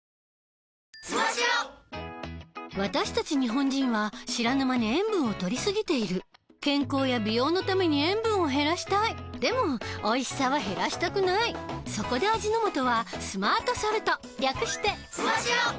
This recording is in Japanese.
私たち日本人は知らぬ間に塩分をとりすぎている健康や美容のために塩分を減らしたいでもおいしさは減らしたくないそこで味の素は「スマートソルト」略して「スマ塩」！